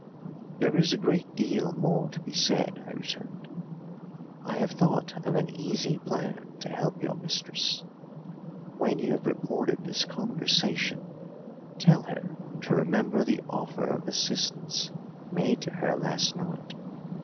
"There is a great deal more to be said," I returned. "I have thought of an easy plan to help your mistress. When you have reported this conversation, tell her to remember the offer of assistance made to her last night.